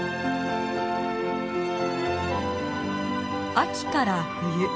秋から冬。